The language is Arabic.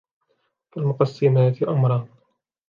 فَالْمُقَسِّمَاتِ أَمْرًا